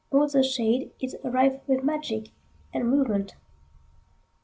All the shadeIs rife with magic and movement.